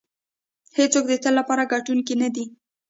هېڅوک د تل لپاره ګټونکی نه دی.